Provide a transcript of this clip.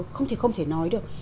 không thể nói được